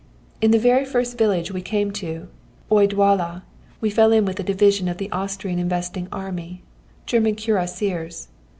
"In the very first village we came to, O Gyalla, we fell in with a division of the Austrian investing army, German cuirassiers.